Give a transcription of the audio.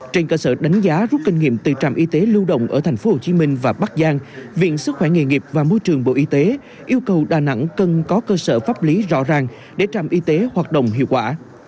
trên cơ sở đánh giá rút kinh nghiệm từ trạm y tế lưu động ở tp hcm và bắc giang viện sức khỏe nghề nghiệp và môi trường bộ y tế yêu cầu đà nẵng cần có cơ sở pháp lý rõ ràng để trạm y tế hoạt động hiệu quả